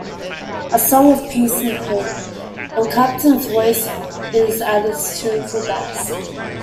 A song of peace and hope... and Clapton's voice is at its tuneful best.